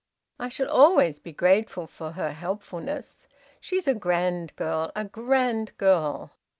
"I shall always be grateful for her helpfulness! She's a grand girl, a grand girl!"